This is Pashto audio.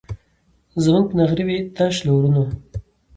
زموږ به نغري وي تش له اورونو